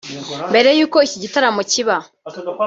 Mbere y’uko iki gitaramo kiba